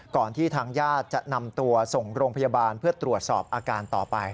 ที่ทางญาติจะนำตัวส่งโรงพยาบาลเพื่อตรวจสอบอาการต่อไป